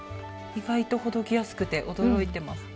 意外とほどきやすくて驚いてます。